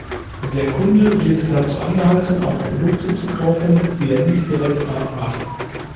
Der Kunde wird dazu angehalten, auch Produkte zu kaufen, die er nicht direkt nachfragt.